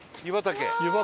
湯畑。